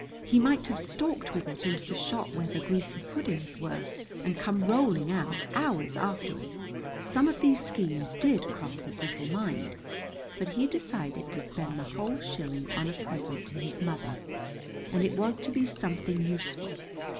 He might have stalked with it into the shop where the greasy puddings were and come rolling out hours afterwards. Some of these schemes did cross his little mind, but he decided to spend the whole shilling on a present to his mother, and it was to be something useful.